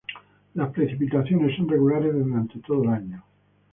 Las precipitaciones son regulares durante todo el año.